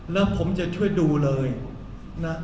แล้วผมจะช่วยดูเลยนะ